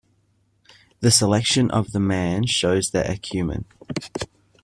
The selection of the man shows their acumen.